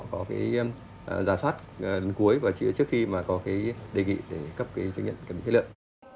có cái giả soát đến cuối và trước khi mà có cái đề nghị để cấp cái chứng nhận kiểm định chất lượng